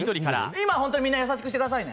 今、ホントにみんな優しくしてくださいね。